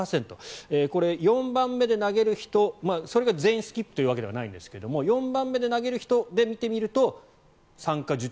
これ、４番目で投げる人それが全員スキップというわけではないんですが４番目に投げる人で見てみると参加